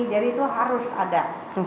jadi itu harus ada